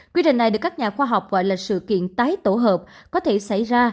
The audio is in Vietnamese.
quy trình này được các nhà khoa học gọi là sự kiện tái tổ hợp có thể xảy ra